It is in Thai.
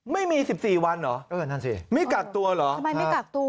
ไม่มี๑๔วันเหรอไม่กลักตัวเหรอ